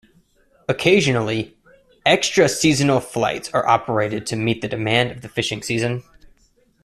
Occasionally, extra seasonal flights are operated to meet the demand of the fishing season.